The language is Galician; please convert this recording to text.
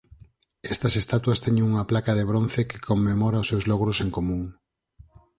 Estas estatuas teñen unha placa de bronce que conmemora os seus logros en común.